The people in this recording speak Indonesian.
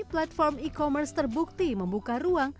platform e commerce terbukti membuka ruang